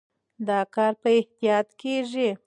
دا کار په احتیاط کېږي.